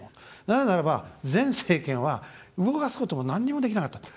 なぜならば前政権は動かすこともなんにもできなかったんだ。